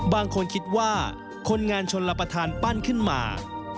บางคนคิดว่าคนงานชนรับประทานปั้นขึ้นมา